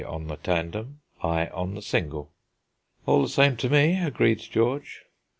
on the tandem, I on the single." "All the same to me," agreed George. "J.